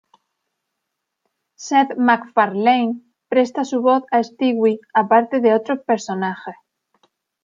Seth MacFarlane presta su voz a Stewie aparte de otros personajes.